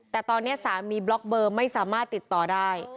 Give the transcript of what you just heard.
แต่ตอนนี้สามีบล็อกเบอร์ไม่สามารถติดต่อได้